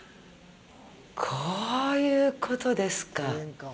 こういうことですか。